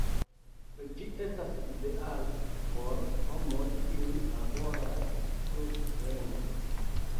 Ĝi estas ideala por homoj kiuj laboras sub premo.